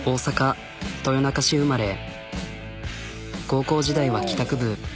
高校時代は帰宅部。